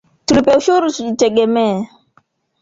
Tulipe ushuru tujitegemee